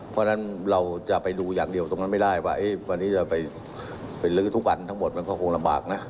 เพราะฉะนั้นเราจะไปดูอย่างเดียวตรงนั้นไม่ได้ว่าวันนี้จะไปลื้อทุกอันทั้งหมดมันก็คงลำบากนะ